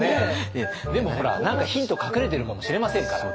でもほら何かヒント隠れてるかもしれませんから。